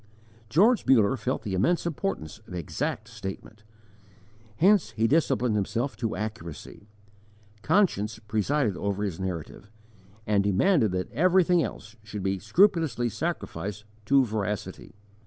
George Muller felt the immense importance of exact statement. Hence he disciplined himself to accuracy. Conscience presided over his narrative, and demanded that everything else should be scrupulously sacrificed to veracity.